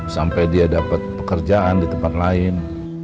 sampai dia dapat pekerjaan di tempat lain